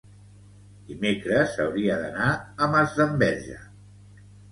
dimecres hauria d'anar a Masdenverge.